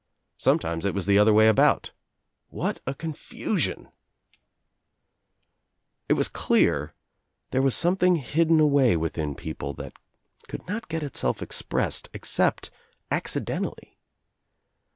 Some times it was the other way about. What a confusion I It was clear there was something hidden away within people that could not get itself expressed ex cept accidentally.